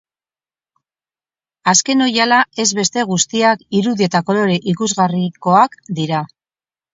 Azken oihala ez beste guztiak irudi eta kolore ikusgarrikoak dira.